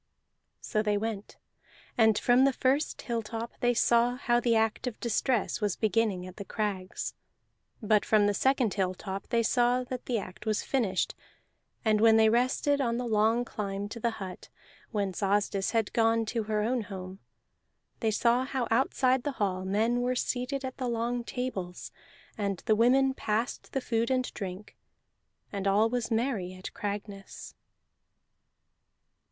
So they went, and from the first hilltop they saw how the act of distress was beginning at the crags; but from the second hilltop they saw that the act was finished. And when they rested on the long climb to the hut, whence Asdis had gone to her own old home, they saw how outside the hall men were seated at the long tables, and the women passed the food and drink, and all was merry at Cragness.